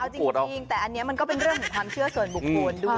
จริงแต่อันนี้คือเชื่อส่วนบุคคล